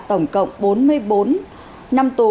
tổng cộng bốn mươi bốn năm tù